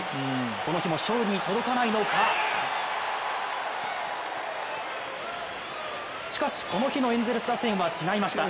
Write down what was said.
この日も勝利に届かないのかしかし、この日のエンゼルス打線は違いました